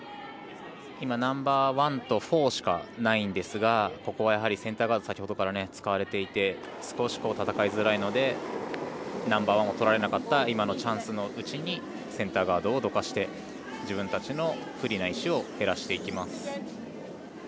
ナンバーワンとフォーしかないんですがここはセンターガード先ほどから使われていて少し戦いづらいのでナンバーワンをとられなかった今のチャンスのうちにセンターガードをどかして自分たちの不利な石を減らしていきます。